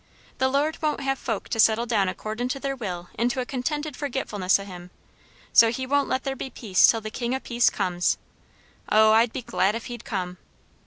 "The Lord won't have folk to settle down accordin' to their will into a contented forgetfulness o' him; so he won't let there be peace till the King o' Peace comes. O, I'd be glad if he'd come!"